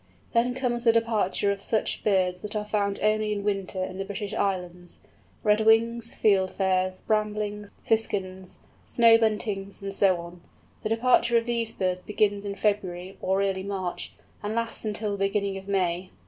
Then comes the departure of such birds that are found only in winter in the British Islands—Redwings, Fieldfares, Bramblings, Siskins, Snow Buntings, and so on. The departure of these birds begins in February, or early March, and lasts until the beginning of May.